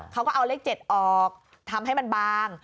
เขาก็เอาเลข๗ออกทำให้มันบาง